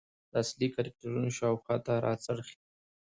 د اصلي کرکترونو شاخواته راڅرخي .